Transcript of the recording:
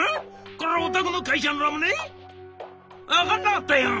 これおたくの会社のラムネ？分かんなかったよ」。